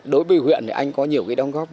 đối với huyện thì anh có nhiều cái đóng góp